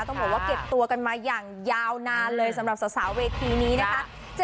ต้องบอกว่าเก็บตัวกันมาอย่างยาวนานเลยสำหรับสาวเวทีนี้นะคะ